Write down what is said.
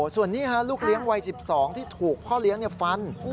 ส่วนนี้ลูกเลี้ยงวัย๑๒ที่ถูกพ่อเลี้ยงฟัน